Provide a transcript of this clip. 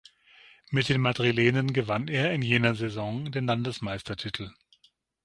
Mit den Madrilenen gewann er in jener Saison den Landesmeistertitel.